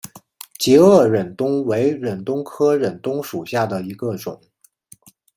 截萼忍冬为忍冬科忍冬属下的一个种。